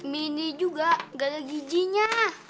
mie ini juga gak ada gijinya